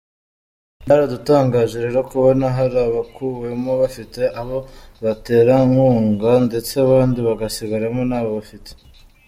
Byaradutangaje rero kubona hari abakuwemo bafite abo baterankunga ndetse abandi bagasigaramo ntabo bafite.